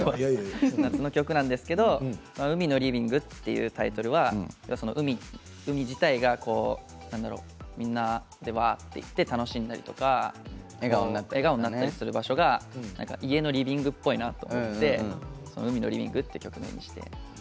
夏の曲なんですけれども「海のリビング」というタイトルは海自体がなんだろうみんなでわっと行って楽しんだりとか笑顔になったりする場所が家のリビングっぽいなと思って「海のリビング」という曲にして。